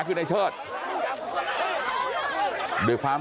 กลับไปลองกลับ